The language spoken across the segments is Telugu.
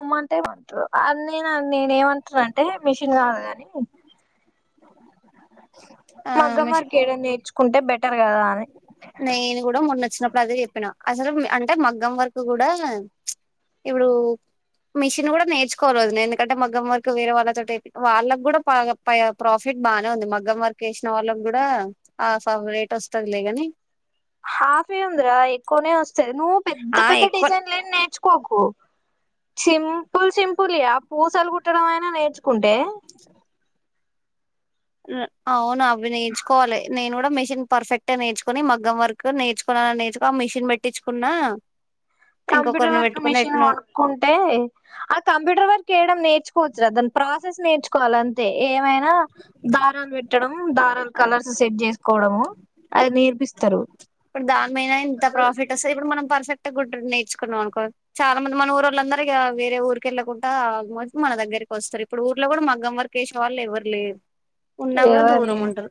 అమ్మంటేమంట్రు అన్ని నా నేనేమంటనంటే మిషిన్ కాదు కాని ఆ మగ్గం మిషన్ వర్క్ ఏయడం నేర్చుకుంటే బెట్ టరు కదా అని నేను కూడా మొన్న వచ్చినప్పుడు అదే చెప్పినా అసలు అంటే మగ్గం వర్కు కూడా ప్చ్ ఇప్పుడు మిషన్ కూడా నేర్చుకోరోజు ఎందుకంటే మగ్గం వర్కు వేరే వాళ్ళతోటి ఏపి వాళ్ళకు కూడా పై ప్రాఫిట్ బానే ఉంది మగ్గం వర్క్ వేసిన వాళ్ళకి కూడా ఆహాఫ్ రేట్ వస్తది లేగాని హాఫ్ ఏంది రా ఎక్కువనే వస్ నువ్వు పెద్ద ఆ పెద్ద ఎక్కువ డిజైన్లు ఏం నేర్చు కోకు సింపుల్ సింపుల్ యా పూసలు కుట్టడం అయినా నేర్చు కుంటే అవునా ఇవి నేర్చుకోవాలి నేను కూడ మిషన్ పర్ఫెక్ట్ గా నేర్చుకుని మగ్ం వర్క్ నేర్చుకోల నేర్చుకో ఆ మిషిన్ పెట్టించుకున్నా కంప్యూటర్ ఇంకొకరిని వర్క్ పెట్టుకుని మిషిన్ ఎట్నో కొనుక్కుంటే ఆ కంప్యూటర్ వర్క్ వయడం నేర్చుకోవచ్చురా దాని ప్రాసెస్ నేర్చుకో కోవాలంతే ఏమైనా దారాలు పెట్టడం దారాలు కలర్స్ సెట్ చేసుకోవడము అది నేర్పిస్త తరు ఇప్పుడు దాన్ మహైన ఎంత ప్రాఫిట్ వస్తుంది ఇప్పుడు మనం పర్ఫెక్ట్గా గు నేర్చుకున్నాం అనుకో చాలా మంది మన ఊర్ళ్ళందర ఇక వేరే ఊరిక వెళ్ళకుండా ఆ మో మన దగ్గరికి వస్తారు ఇప్పుడు ఊర్లో కూడా మగ్గం వర్కసే వాళ్ళు ఎవ్వరు లేరు ఉన్నా ఏ కూడా దూరం ఉంటారు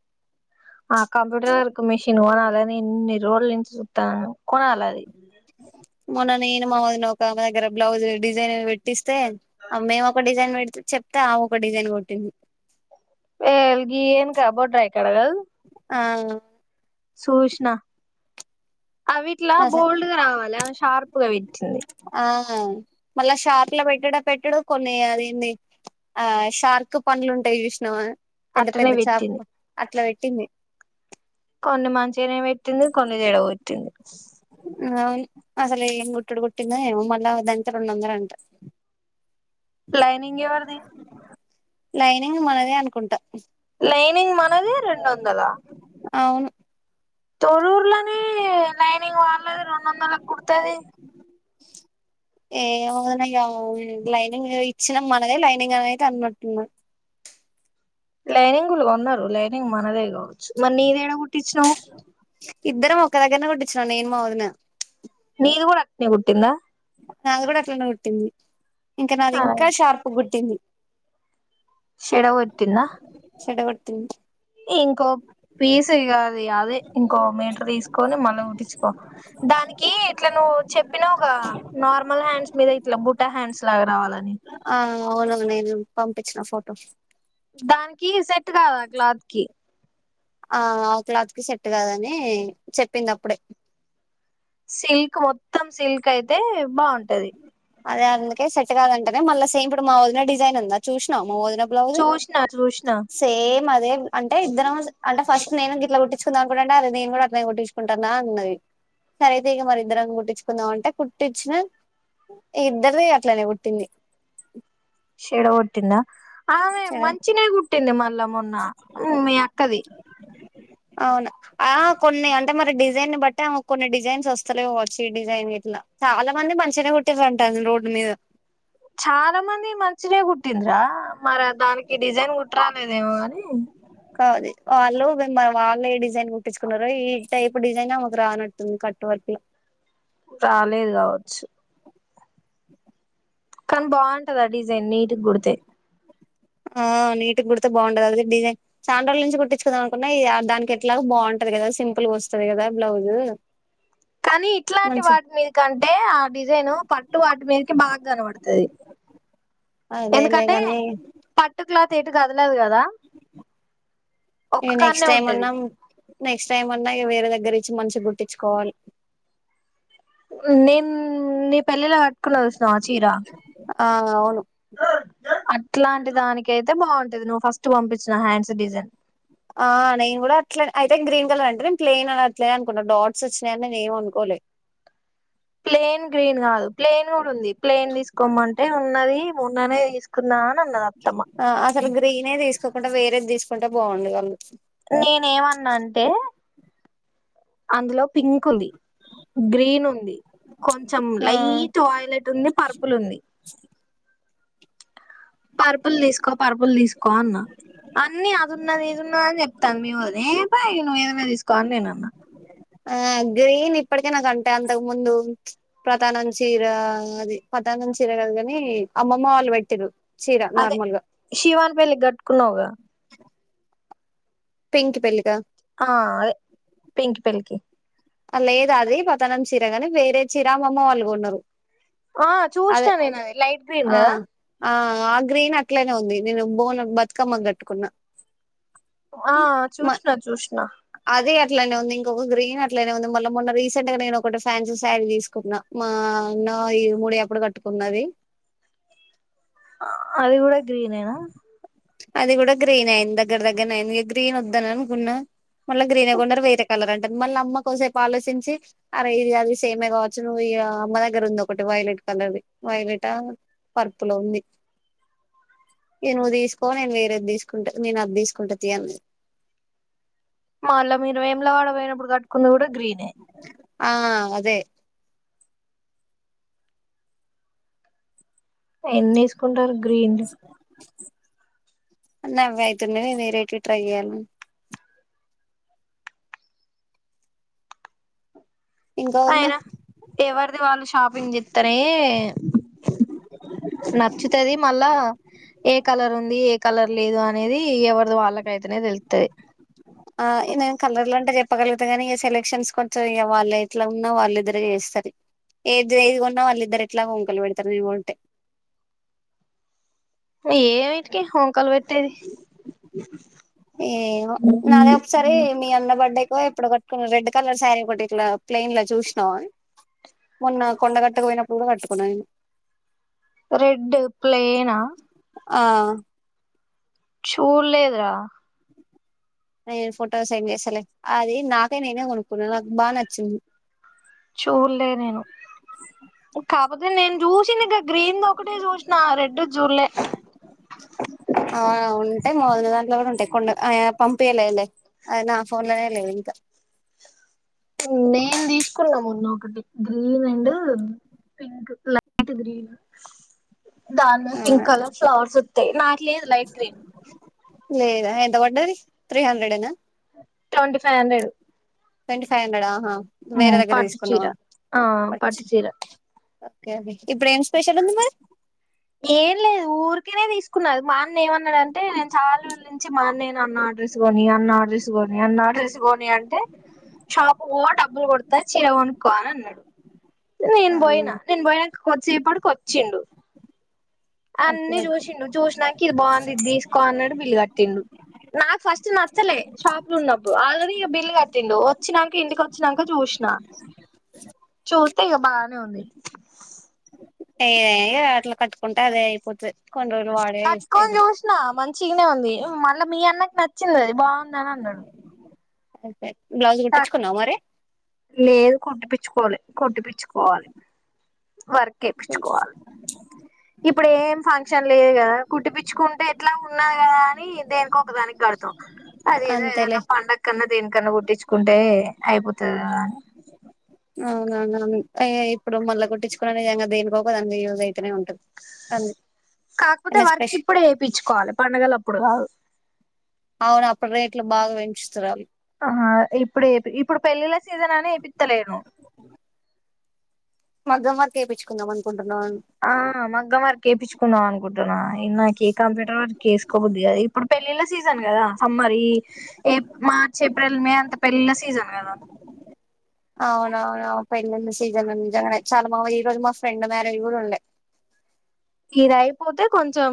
కంప్యూటర్ మిషన్ పోనాలని ఎన్ని రోజుల నుంచి చుస్తాను కొన అలది మనన్నని ఏను మామోదు నౌక మ ద్గర బ్లౌజ్ డిజైన్ పెట్ పట్టిస్తే మేము ఒక డిజైన్ పెట్ చెప్తా ఒక డిజైన్ కొట్టింది ఎ అల్గి ఏన్ కాబోడ్రయ కడగల్ ఆ సూచనా అవిట్లా అసలు బోల్డ్గా రావాలి అవి షార్ప్ ఎగా విచ్చింది ఆ మళ్ళా షార్క్ల పెట్టడా పెట్టడు కొన్ని అదిన్ని ఆ షార్క్ పండ్లు ఉంటాయి చూసినావా పెద్ద అట్టనే పెద్ద చాప పెట్టింది అట్లా పెట్ టిన్ని కొన్ని మంచిగానే పెట్టింది కొన్ని చెడగొట్టింది నోయి అసలు ఏం కుట్టుడు కుట్టింద ఏమో మళ్ళా అదంట రెండొందలంట లైనింగ్ ఎవరిది లైనింగ్ మనదే అనుకుంట లైనింగ్ మనదే రెండొందలా అవును తో ఉర్లనే లైనింగ్ వాడలేది రెండు వందల కుడతుది వు లైనింగ్ ఇచ్చినాం మనదే లైనింగ్ అనేయిది అనట్ున్నా లైనింగలు కొన్నారు లైనింగ్ మనదే కా మరిీ నీది ఏడ కుట్టించినావు ఒక్క దగ్గరనే కొట్టిచ్చినాను నేను మా వదిన నీది కూడా అట్లనే కుట్టిందా నాది కూడా అట్లానే కుట్టింది ఇంకా నాది ఇంకా షార్ప్ గుుట్టింది షెడ గొట్టిందా చెడ కుట్టింది ఇంకో పీస్ ఇకది అదే ఇంకో మీటర్ తీసుకొని మళ్ళీ కుట్టించుకో దానికి ఇట్లా నువ్వు చెప్పినావు కాదు నార్మల్ హ్యాండ్స్ మీద ఇట్లా బుటా హ్యాండ్స్ లాగా రావాలని ఆ అవును నేను పంపించిన ఫోటో దానికి సెట్ కాదా క్లాత్ కి ఆ ఆ క్లాత్ కి సెట్ కదని చెప్పింది అప్పుడే సిల్క్ మొత్తం సిల్క్ అయితే బాగుంటది అదే అందుకే సెట్ గాదు అంటేనే మళ్ళా సేమ్ ఇప్పుడు మా వొదిన డిజైన్ ఉందా చూసినా్ వోదిన బ్లౌజ్ చూసిన చూసిన సేమ్ అదే అంటే ఇద్దరం అంటే ఫస్ట్ నేను గిట్ల కుట్టి కుకున్నాను కూడా అడి అది నేను కూడా అట్నే గుట్టించుకుంటాను అన్నది సర అయితే ఇక మరి ఇద్దరం గుట్టించుకుందామ అంటే కుట్టించిన ఇద్దరిది అట్లనే కుట్టింది శడ గొట్టిందా ఆమె మంచిినీ కుట్టింది మళ్ళా మొన్న మీ అక్కది అవునా ఆ కొన్ని అంటే మరి డిజైన్ బట్టి కొన్ని డిజైన్స్ వస్తలే కావచ్చు ఈ డిజైన్ ఇట్లా చాలా మంది మంచిగానే కుట్టిండ్లు అంటున్నారు రోడ్డు మీద చాలా మంది మంచిదే కుట్టిందిరా మరి దానికి డిజైన్ కుట్ట రాలేదేమోగాని కాదు వాళ్ళు మిమ్మ వాళ్ళు ఏ డిజైన్ కుట్టించుకున్నారో ఈ టైప్ డిజైన్ ఆమెకు రానట్టుంది కట్టు వర్క్ లో రాలేదు కావచ్చు కానీ బాగుంటదిా డిజైన్ నీట్ గుడితే ఆ నీట్ గా గుడితే బాగుంటది అ డిజైన్ సాండ్రోళ్ళ నుంచి కుట్టించుకుదాం అనుకున్నా దానికి ఎట్లాగ బాగుంటది కదా సింపుల్గా వస్తుంది కదా బ్లౌజు కానీ ఇట్లాంటి వాటి మీద కంటే ఆ డిజైను పట్టు వాటి మీదకి బాగా కనపడుతుంది అయి అదే లేగానీ లా తేటు క అదిలా కదా ఒక్క ఇగ నెక్స్ట్ కన్నె టైం ఉంటది అన్నా నెక్స్ట్ టైమ్ అన్నా వేరే దగ్గర ఇచ్చి మంచిగా గుట్ంచుకోవాలి నిమ్ పెళ్ళిలో కట్కున్నా చూసినవా చీరా ఆ అవును ఆ అట్లాంటి దానికి అయితే బాగుంటది నువ్వు ఫస్ట్ పంపి ఆ నేను కూడా అట్లా అయితే గ్రీన్ కలర్ అదే ప్లయిన్ అనట్లేదు అనుకున్నా డాట్స్ వచ్చినాయని నే ఏం అనుకోలేదు ప్లెయిన్ గ్రీన్ కాదు ప్లయిన్ కూడా ఉంది ప్లెయిన్ తీసుకోమంటే ఉన్నది మొన్ననే తీసుకున్నా అన్నది అత్తమ్మ ఆ అసలు గ్రీనే తీసుకోకుండా వేరేది తీసుకుంటే బాగుండు వాళ్ళు నేను ఏమన్నా అంటే అందులో పింక్ ఉంది గ్రీన్ ఉంది కొంచెం ఆ లైట్ వాయిలెట్ ఉంది పర్పుల్ ఉంది పర్పుల్ తీసుకో పర్పుల్ తీసుకో అన్నా అన్ని అదున్నది ఇదున్నది అని చెప్తాంది మీ వదిన అదే ప నువ్వు ఏదైనా తీసుకోని నేను అన్నా ఆ గ్రీన్ ఇప్పటికే నాకు అంటే అంతకు ముందు ప్రదానం చీర అది ప్రదానం చీర కాదు కాని అమ్మమ్మ వాళ్ళు పెట్టిర్రు చీర అదే నార్మల్ గా శివాన్ పెల్లికి కట్టుకున్నావుగా పెంకి పెళ్లికా ఆ అదే పింకి పెళ్ళికి అలా ఏదది ప ప్రధానం చీరగానే వేరే చీర మా అమ్మ వాళ్ళు గొన్నారు ఆ చూసినా నేను అది లైట్ గ్రీన్ ఆ కదా ఆ ఆ గ్రీన్ అట్లనే ఉంది నేను బోనం బతుకమ్మకి కట్టుకున్నా ఆ చూసిన చూసిన ఇట్లనే ఉంది ఇంకో గ్రీన్ ఇట్లనే ఉంది మళ్ళ మొన్న రీసెంట్ గా నేను ఒకటి ఫ్యాన్సీ శారీ తీసుకున్నా మా అన్న ఇర మూడి అప్పుడు కట్టుకున్నది అ అది కూడ గ్రీనెనా అది గూడ గ్రీనే అయింది దగ్గర దగ్గరనే అయింది ఇక గ్రీన్ వద్దను అనుకున్నా మళ్ళ గ్రీనే కొన్నరు వేరే కలర్ అన్ మళ్ళ అమ్మ కోసేపు ఆలోచించి అరే ఇది అది సేమే కావచ్చు నువ్వు ఈ అమ్మ దగ్గర ఉంది ఒకటి వైలెట్ కలర్ది వైలెటా పర్పుల్ లో ఉంది ఇది నువ్వు తీసుకో నేను వేరేది తీసుకుంట నేను అది తీసుకుంటా తీ అన్నది మళ్ళ మీరు వేములవాడ పోయినప్పుడు కట్టుకున్నది కూడ ఆ అదే ఎన్ని తీసుకుంటారు గ్రీన్ లు అన్ని అవ్వే అయితున్నది నేను వేరేట్వి ట్రై చేయాల్న ఇంకా వదిన అయినా ఎవరిది వాళ్ళ ఇస్ షాపింగ్ చేస్తరే నచ్చుతది మల్ల ఏ కలర్ ఉంది ఏ కలర్ లేదు అనేది ఎవరిది వాళ్ళకైతేనే తెలుత్తది ఆ ఇదిం కలర్లంట చెప్ చెప్పగలుగుత గానీ ఇక సెలక్షన్స్ కొంచెం ఇక వాళ్ళు ఎట్లా ఉన్నా వాళ్ళిద్దరే చేస్తది ఏది ఏది కొన్నా వాళ్ళిద్దరు ఎట్లాగో వంకలు పెడతరు నేను కొంటే ఏమిటి కి వంకలు పెట్టేది ఏమో అప్పుడు కట్టుకున్న రెడ్ కలర్ శారీ ఒకటి ఇట్లా ప్లెయిన్ లో చూసినావా మొన్న కొండ కట్టుకపోయినప్పుడు కూడా కట్టుకున్నా నేను రెడ్ ప్లెయినా ఆ చూడ్లేదురా నేను ఫోటో సెండ్ చేస్తలే అది నాకే నేనే కొనుక్కున్నా నాకు బా నచ్చింది చూళ్ళే నేను కాకపోతే నేను చూసింది క ఆ ఉంటయ్ మా వొదిన దాంట్లో కూడా ఉంటాయ్ కొండ పంపియాలలే అయినా ఫోన్ లోనే లేవు ఇంకా నేను దీసుకున్నా మొన్న ఒకటి green and pink light green దాన్ ఆ పింక్ కలర్ ఫ్లవర్స్ వొత్తాయ్ నాకు లేదు లైట్ క్రీమ్ లేదా ఎంత వడ్డది త్రీ హండ్రెడ్ ఏనా twenty five hundred twenty five hundred ఆహా వేరే హ్మ్ దగ్గర పట్టు చీర తీసుకున్నావా ఆ పట్టు చీర ఇప్పుడేం స్పెషల్ ఉంది మరి ఏన్లేదు ఊర్ కేనే దీసుకున్నా మా అన్న ఏమన్నాడు అంటే నేను చాలా రోజుల నుంచి మా అన్నయ్యను అన్నా ఆ డ్రెస్స్ గొని అన్నా డ్రస్ గొని అన్నా డ్రస్ గొని అంటే షాప్ బో డబ్బులు కొడతా చీర కొనుక్కో అని అన్నాడు నేను ఆ బొయినా నేను బొయిన కొద్దిసేపడకి వొచ్చిండు ఓకే అన్ని ఓకే జూసిండు చూసినంక ఇది బాగుంది ఇది తీసుకో అన్నట్ బిల్ కట్టిండు నాకు ఫస్ట్ నచ్చలే షాప్ లో ఉన్నప్పుడు ఆల్రెడీ ఇగ బిల్ కట్టిండు వచ్చినంక ఇంటికొచ్చినంక చూసిన చూ తెగ బానే ఉంది ఏ అట్లా కట్ ఉంటాది అయిపోతే కట్టుకోన్ జూస్నా మ చిగనే ఉంది మళ్ళా మీ అన్నకి నచ్చింది అది బాగుంది అని అన్నాడు అయ్పై బ్లౌజ్ కుట్టించుకున్నా మరి లేదు కొట్టిపీచ్చుకోవాలి కొట్టిపీచ్చుకో వాలి వర్క్ వేపిచుకోవాలి. ఇప్పుడు ఏం ఫంక్షన్ లేదు కదా కుట్టిపిచ్చుకుంటే ఎట్లా ఉన్నాయ్ కదా అని దేనికో ఒకదానికి గడతాం అదేదో అంతేలే ఏదనా పండగ కన్నా దేనికన్నా కుట్టించుకుంటే అయిపోత్ [unintelligible] అయ్యా ఇప్పుడు మళ్ల కుట్టించుకున్నా నిజంగా దేనికోక దాని [unintelligible] కాకపోతే స్పెష వర్క్ ఇప్పుడే వేపించుకోవాలే పండగలు అప్పుడు కాదు అవును అప్పుడు రేట్లు బాగా పెంచుతురు ఆ ఇప్పుడు ఏ ఇప్పుడు పెళ్ళిళ్ళ సీజన్ అనే ఏపిత్తలేను మగ్గం వర్క్ ఏపించుకుందాం అనుకుంటున్నా ఆ మగ్గ మ్ వర్క్ చేపిస్ కున్నా అనుకుంటన్నా నాకే కంప్యూటర్ వరకుేసుకోకుద్దుది అది ఇప్పుడు పెళ్ళిళ్ళా సీజన్ కదా సమ్మర్ ఈ ఏ మార్చ్ ఏప్రిల్ మే అంత పెళ్ళిళ సీజన్ కదా అవునవును ప వెళ్లిింది సీజన్ ఉ చాలా మా ఈ రోజు మా ఫ్రెండ్ మ్యారేజ్ కూడా ఉండే ఇదియిపోతే కొంచెం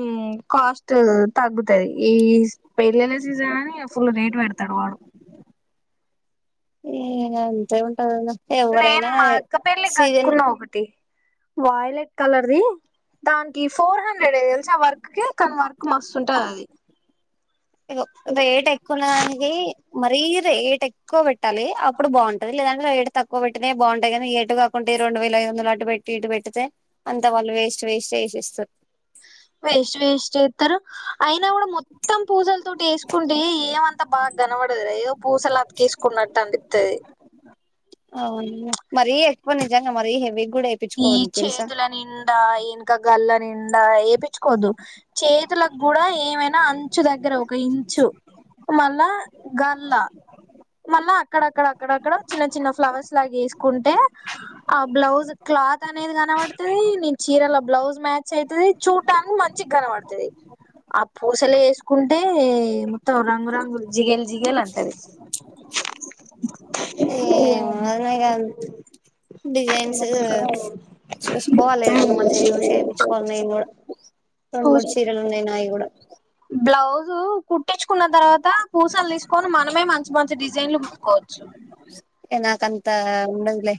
కాస్ట్ తగ్గుతది ఈ పెళ్ళిళ సీజన్ అని ఫుల్ రేట్ పెడుతుంది తడువాడు ఏ అంతే ఉంటదన్న నేను ఎవ్వరైనా మా అక్క పెళ్లిి సీజన్ కట్టుకున్న ఒకటి వాయలెట్ కలర్ది దానికి ఫోర్ హండ్రెడ్ ఏ మ ఆ వర్క్ క తన వర్క్ మస్తుంటుంది అది వయిట్ ఎక్కువననిది మరీ రేటు ఎక్కువ పెట్టాలి అప్పుడు బాగుంటది లేదంటే రేటు తక్కువ పెట్టినే బాగుంటాయి కానీ ఏటు కాకుంటే రెండు వేల ఐదు వందలు అటు పెట్టి ఇటు పెట్టితే అంత వాళ్ళు వేస్ట్ వేస్ట్ చేసి ఇస్తారు వష్ వేష్ట్ స్తారు అయినా కూడా మొత్తం పూజలతోోటి వేసుకుంటే ఏమంతా బాగా గనపడదు ఏదో పూసలు అతకేసుకున్నట్టు అనిపిస్తది అవును మరీ ఎక్ పని నిజంగా మరీ హవి ఈ చేతుల నిండా ఇనక గల్ళ నిం నా ఏవి ఇచుకోదు చేతులకు కూడా ఏమైనా అంచు దగ్గర ఒక ఇంచు మళ్ళా గల్ల మళ్ళ అక్కడక్కడ అక్కడక్కడ చిన్న చిన్న ఫ్లవర్స్ లాగా వేసుకుంటే ఆ బ్లౌజ్ క్లాత్ అనేది కనపడుతుంది నీ చీరల బ్లౌజ్ మ్యాచ్ అవుతుది చూడటానికి మంచి కనపడుతుది ఆ పూసలు వేసుకుంటే మొత్తం రంగు రంగులు జిగెల్ జిగెల్ అంటది ఏ అదనా డిజైన్స్ చూసుకోవాలిదన్న మంచిగా చూసి ఎయించుకోవాలి నేను కూడా రెండు మూడు చీరలు ఉన్నాయి నావి కూడా బ్లౌజూ కుట్టించుకున్న తర్వాత పూసలు తీసుకొని మనమే మంచి కొ డిజైన్లు కుట్టుకోవచ్చు ఇగ నాకంత ఉండదులే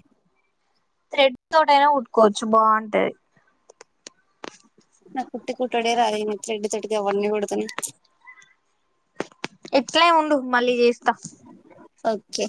త్రేడ్ తోడనే ఉట్కోవచ్చు బావుంటది నా కుటి కుట్టడే రా అని తెడ్ తడ్కి అవన్నీ కూడత లేరు ఎట్లే ఉండు మళ్ళీ చేస్తా ఓకే